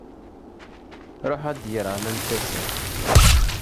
Ṛuḥeɣ ad d-greɣ aman n tasa.